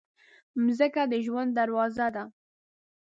مځکه د ژوند دروازه ده.